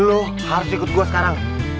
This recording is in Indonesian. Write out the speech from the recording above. lo harus ikut gue sekarang